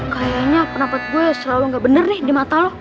kayaknya pendapat gue selalu gak bener nih di mata lo